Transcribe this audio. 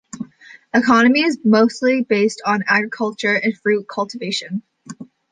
Economy is mostly based on agriculture and fruit cultivation.